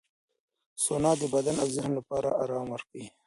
سونا د بدن او ذهن لپاره آرام ورکوي.